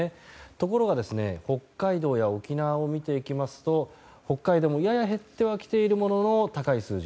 ところが、北海道や沖縄を見ていきますと北海道も、やや減ってはきているものの高い数字